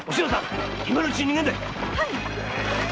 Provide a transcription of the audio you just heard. はい！